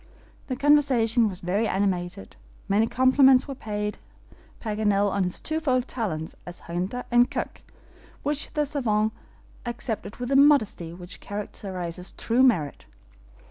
The conversation was very animated. Many compliments were paid Paganel on his twofold talents as hunter and cook, which the SAVANT accepted with the modesty which characterizes true merit.